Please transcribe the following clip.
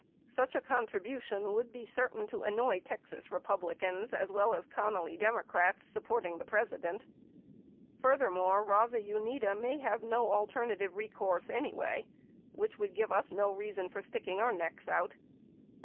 Such a contribution would be certain to annoy Texas Republicans as well as Connally Democrats supporting the President. Furthermore, Raza Unida may have no alternate recourse anyway, which would give us no reason for sticking our necks out.